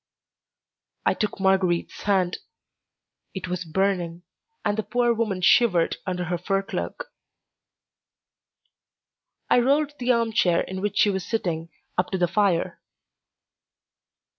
I took Marguerite's hand. It was burning, and the poor woman shivered under her fur cloak. I rolled the arm chair in which she was sitting up to the fire.